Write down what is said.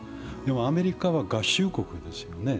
アメリカは合衆国ですよね。